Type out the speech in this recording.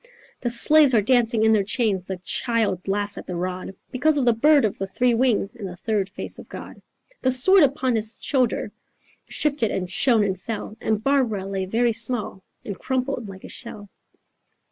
The slaves are dancing in their chains, The child laughs at the rod, Because of the bird of the three wings, And the third face of God.' The sword upon his shoulder Shifted and shone and fell, And Barbara lay very small And crumpled like a shell."